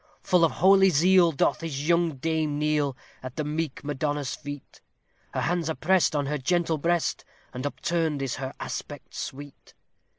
Full of holy zeal doth his young dame kneel at the meek Madonna's feet, Her hands are pressed on her gentle breast, and upturned is her aspect sweet.